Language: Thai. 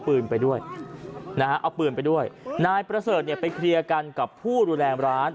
เอาปืนไปด้วยนายประเสริฐไปเคลียร์กันกับผู้แรงร้าน